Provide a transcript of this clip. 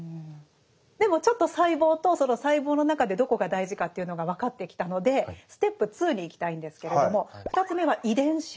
でもちょっと細胞とその細胞の中でどこが大事かっていうのが分かってきたのでステップ２にいきたいんですけれども２つ目は「遺伝子」。